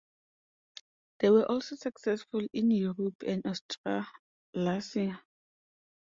They were also successful in Europe and Australasia.